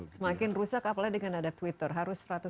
kemampuan bahasa indonesia kita sebetulnya merosot betul